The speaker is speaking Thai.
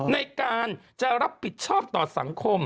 ในการจะรับผิดชอบต่อสังคม